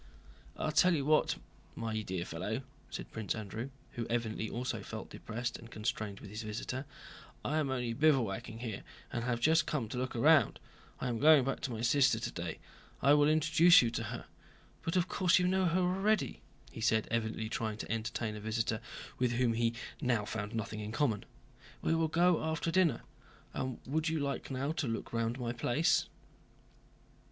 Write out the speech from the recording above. "I'll tell you what, my dear fellow," said Prince Andrew, who evidently also felt depressed and constrained with his visitor, "I am only bivouacking here and have just come to look round. I am going back to my sister today. I will introduce you to her. But of course you know her already," he said, evidently trying to entertain a visitor with whom he now found nothing in common. "We will go after dinner. And would you now like to look round my place?"